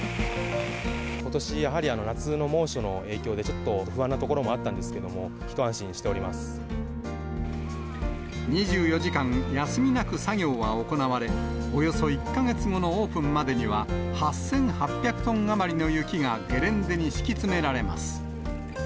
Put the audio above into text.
ことし、やはり夏の猛暑の影響で、ちょっと不安なところもあったんですけれども、一安心しておりま２４時間休みなく作業は行われ、およそ１か月後のオープンまでには、８８００トン余りの雪がゲレンデに敷き詰められます。